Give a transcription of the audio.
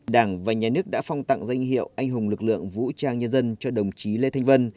đảng và nhà nước đã phong tặng danh hiệu anh hùng lực lượng vũ trang nhân dân cho đồng chí lê thanh vân